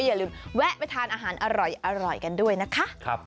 อย่าลืมแวะไปทานอาหารอร่อยกันด้วยนะคะ